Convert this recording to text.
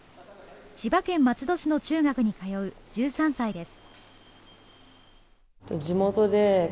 千葉県松戸市の中学に通う１３歳です。